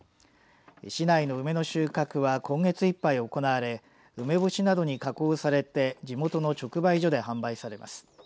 市内の梅の収穫は今月いっぱい行われ梅干しなどに加工されて地元の直売所で販売されます。